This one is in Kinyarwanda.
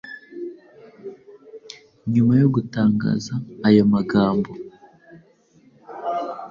Nyuma yo gutangaza ayo magambo,